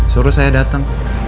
suruh saya datang